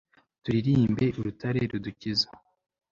turirimbe urutare rudukiza